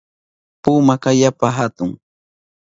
Pumaka yapa hatun.